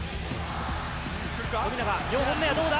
富永、４本目はどうだ？